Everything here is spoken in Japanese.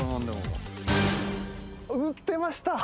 売ってました！